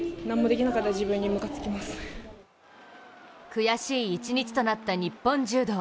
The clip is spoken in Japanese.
悔しい一日となった日本柔道。